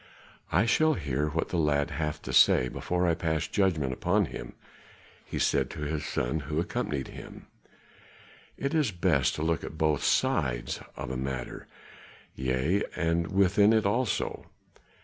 "I shall hear what the lad hath to say before I pass judgment upon him," he said to his son who accompanied him. "It is best to look at both sides of a matter yea, and within it also.